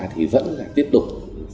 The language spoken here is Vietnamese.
thì vẫn là tiếp tục